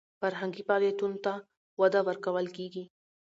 فرهنګي فعالیتونو ته وده ورکول کیږي.